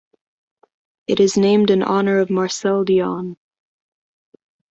It is named in honour of Marcel Dionne.